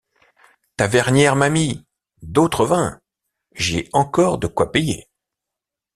Tavernière ma mie, d’autre vin! j’ai encore de quoi payer.